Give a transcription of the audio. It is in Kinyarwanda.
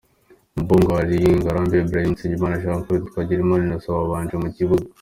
Mbogo Ali, Ngarambe Ibrahim, Nizeyimana Jean Claude na Twagirimana Innocent babanje mu kibuga.